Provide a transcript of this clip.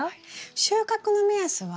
収穫の目安は？